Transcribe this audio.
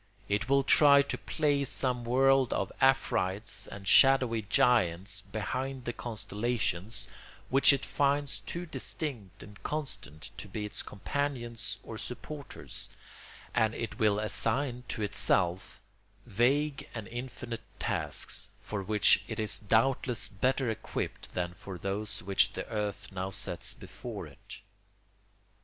It will try to place some world of Afrites and shadowy giants behind the constellations, which it finds too distinct and constant to be its companions or supporters; and it will assign to itself vague and infinite tasks, for which it is doubtless better equipped than for those which the earth now sets before it.